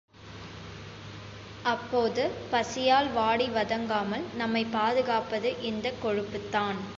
அப்போது, பசியால் வாடி வதங்காமல் நம்மைப் பாதுகாப்பது இந்தக் கொழுப்புத் தான்.